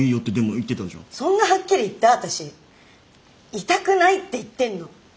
いたくないって言ってんの。